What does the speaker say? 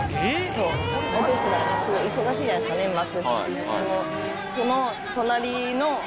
そうお手伝い忙しいじゃないですか年末。